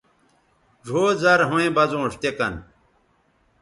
ڙھؤ زرھویں بزونݜ تے کن